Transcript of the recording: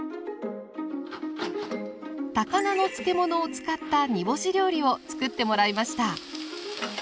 高菜の漬物を使った煮干し料理をつくってもらいました。